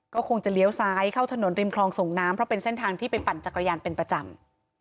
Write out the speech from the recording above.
ก็คงจะเลี้ยวซ้ายเข้าถนนริมคลองส่งน้ำเพราะเป็นเส้นทางที่ไปปั่นจักรยานเป็นประจำ